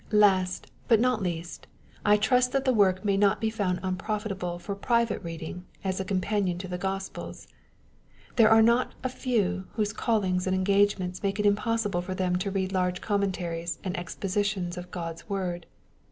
Last, but not least, I trust that the work may not be found unprofitable forjprivcUe reading ^ as a companion to the Gospels, There are not a few whose callings and engagements make it impossible for them to read large commentaries and expositions of Grod's Word.